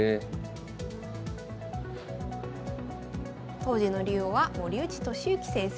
当時の竜王は森内俊之先生。